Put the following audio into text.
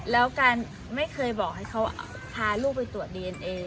แล้วการไม่เคยบอกให้เขาพาลูกไปตรวจดีเอ็นเอ